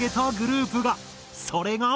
それが。